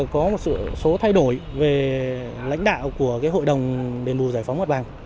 có một sự số thay đổi về lãnh đạo của hội đồng đền bù giải phóng mặt bằng